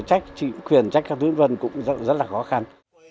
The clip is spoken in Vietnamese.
trách chính quyền trách các tuyến vân cũng rất là khó khăn